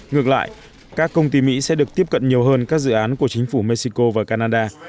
ngược lại các công ty mỹ sẽ được tiếp cận nhiều hơn các dự án của chính phủ mexico và canada